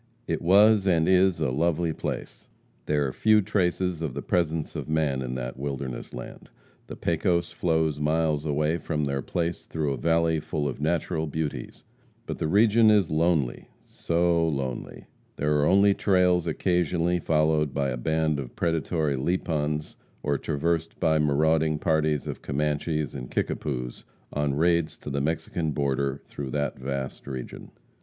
It was and is a lovely place. There are few traces of the presence of man in that wilderness land. The Pecos flows miles away from their place through a valley full of natural beauties. But the region is lonely so lonely! There are only trails occasionally followed by a band of predatory Lipans, or traversed by marauding parties of Comanches and Kickapoos, on raids to the Mexican border through that vast region.